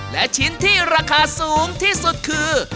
และชิ้นที่ราคาสูงที่สุดคือ